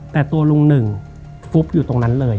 แต่ตัวลุงหนึ่งฟุบอยู่ตรงนั้นเลย